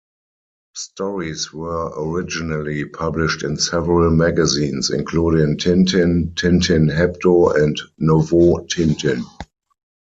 Stories were originally published in several magazines, including "Tintin", "Tintin Hebdo" and "Nouveau Tintin".